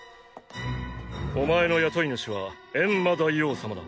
お前の雇い主はエンマ大王様だ。